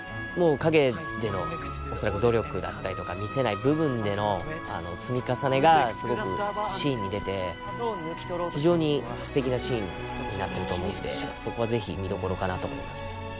もう陰での努力だったりとか見せない部分での積み重ねがすごくシーンに出て非常にすてきなシーンになってると思うんでそこは是非見どころかなと思いますね。